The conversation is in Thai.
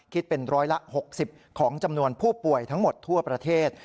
คิดเป็นร้อยละ๖๐ของจำนวนผู้ป่วยทั้งหมดทั่วประเทศ